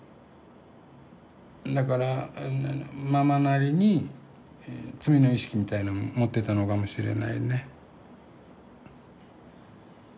だからママなりに罪の意識みたいなのもってたのかもしれないね。